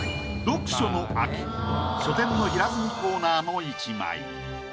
書店の平積みコーナーの１枚。